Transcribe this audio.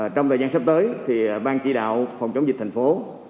trong thời gian sắp tới bang chỉ đạo phòng chống dịch thành phố